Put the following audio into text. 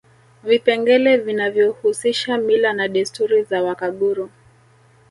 Vipengele vinavyohusisha mila na desturi za Wakaguru